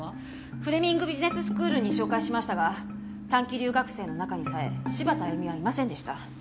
フレミングビジネススクールに照会しましたが短期留学生の中にさえ柴田亜弓はいませんでした。